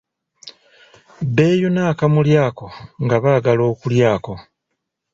Beeyuna akamuli ako nga baagala okulyako.